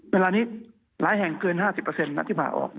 เวลานี้หลายแห่งเกิน๕๐นะที่ผ่าออก